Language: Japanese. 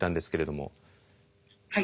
はい。